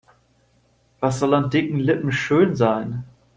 Was soll an dicken Lippen schön sein?